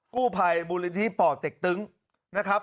กู้ภัยบุริษฐีป่อเต็กตึงนะครับ